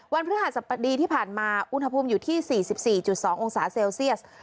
พฤหัสบดีที่ผ่านมาอุณหภูมิอยู่ที่๔๔๒องศาเซลเซียส